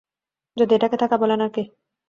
যদি এটাকে থাকা বলেন আরকি।